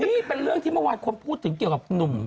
นี่เป็นเรื่องที่เมื่อวานคนพูดถึงเกี่ยวกับหนุ่ม